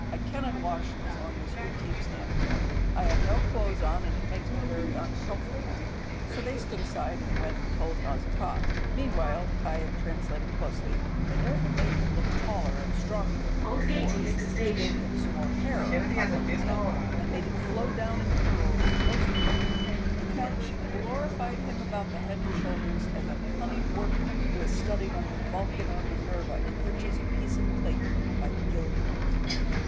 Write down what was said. I cannot wash as long as you keep standing there. I have no clothes on, and it makes me very uncomfortable." So they stood aside and went and told Nausicaa. Meanwhile (I am translating closely), "Minerva made him look taller and stronger than before; she gave him some more hair on the top of his head, and made it flow down in curls most beautifully; in fact she glorified him about the head and shoulders as a cunning workman who has studied under Vulcan or Minerva enriches a fine piece of plate by gilding it."